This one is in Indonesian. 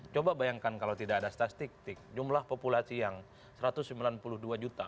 coba bayangkan kalau tidak ada statistik jumlah populasi yang satu ratus sembilan puluh dua juta